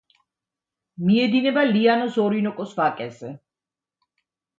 მიედინება ლიანოს-ორინოკოს ვაკეზე.